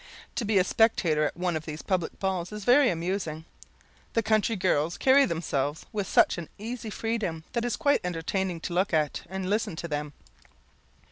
To be a spectator at one of these public balls is very amusing. The country girls carry themselves with such an easy freedom, that it is quite entertaining to look at and listen to them.